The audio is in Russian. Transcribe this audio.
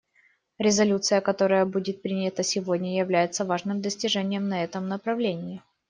Резолюция, которая будет принята сегодня, является важным достижением на этом направлении.